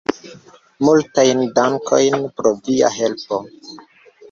Multajn dankojn pro via helpo!